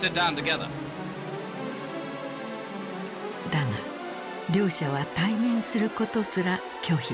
だが両者は対面することすら拒否。